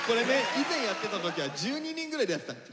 以前やってた時は１２人ぐらいでやってたの。